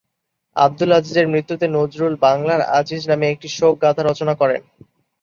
আবদুল আজীজের মৃত্যুতে নজরুল ‘বাংলার আজীজ’ নামে একটি শোকগাথা রচনা করেন।